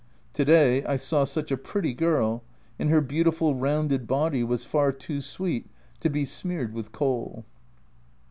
To day I saw such a pretty girl, and her beautiful rounded body was far too sweet to be smeared with coal.